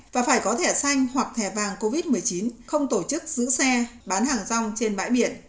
và phải có thẻ xanh hoặc thẻ vàng covid một mươi chín không tổ chức giữ xe bán hàng rong trên bãi biển